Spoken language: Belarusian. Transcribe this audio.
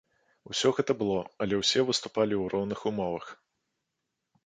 Усё гэта было, але ўсё выступалі ў роўных умовах.